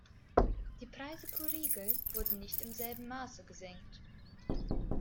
Die Preise pro Riegel wurden nicht im selben Maße gesenkt.